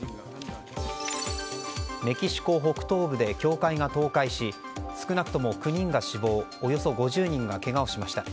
メキシコ北東部で教会が倒壊し少なくとも９人が死亡およそ５０人がけがをしました。